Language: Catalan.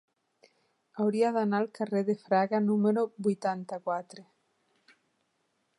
Hauria d'anar al carrer de Fraga número vuitanta-quatre.